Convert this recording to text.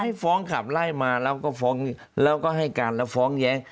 ฟ้องขับไล่มาแล้วก็ฟ้องแล้วก็ให้การแล้วฟ้องแย้ง